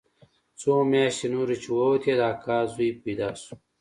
څو مياشتې نورې چې ووتې د اکا زوى پيدا سو.